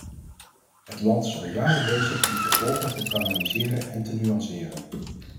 Het land is al jaren bezig die gevolgen te kanaliseren en te nuanceren.